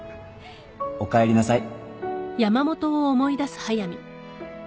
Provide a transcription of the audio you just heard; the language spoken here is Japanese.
おかえりなさい